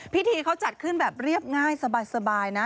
พิธีเขาจัดขึ้นแบบเรียบง่ายสบายนะ